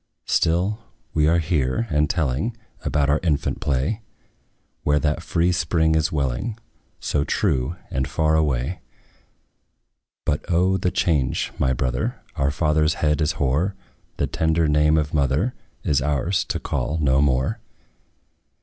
Still we are here, and telling About our infant play; Where that free spring is welling, So true, and far away. But O! the change, my brother! Our father's head is hoar; The tender name of mother Is ours to call no more.